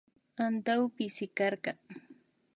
Antawpi sikarka